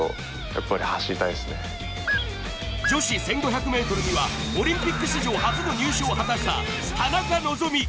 女子１５００ｍにはオリンピック初の入賞を果たした田中希実。